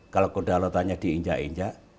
kalau kedaulatannya diinjak injak